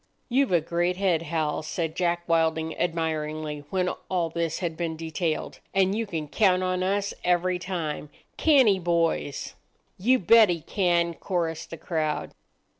"You've a great head, Hal," said Jack Wilding admiringly, when all this had been detailed, "and you can count on us every time—can't he, boys?" "You bet he can," chorused the crowd.